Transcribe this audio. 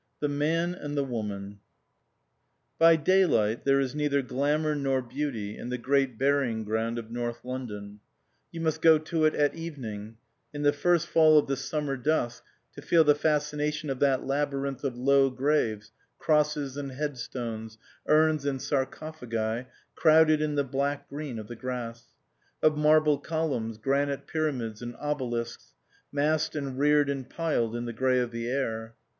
THE MAN AND THE WOMAN BY day light there is neither glamour nor beauty in the great burying ground of North London ; you must go to it at evening, in the first fall of the summer dusk, to feel the fascination of that labyrinth of low graves, crosses and headstones, urns and sarcophagi, crowded in the black green of the grass ; of marble columns, granite pyramids and obelisks, massed and reared and piled in the grey of the air.